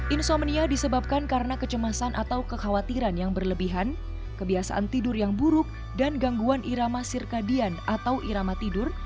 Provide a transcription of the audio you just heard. insomnia disebabkan karena kecemasan atau kekhawatiran yang berlebihan kebiasaan tidur yang buruk dan gangguan irama sirkadian atau irama tidur